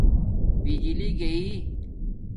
بجلی گݵی